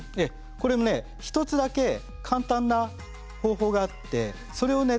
これね一つだけ簡単な方法があってそれをね